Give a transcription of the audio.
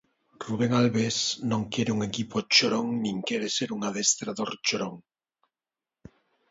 Rubén Albes non quere un equipo chorón nin quere ser un adestrador chorón.